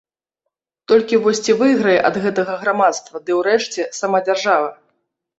Толькі вось ці выйграе ад гэтага грамадства ды, урэшце, сама дзяржава?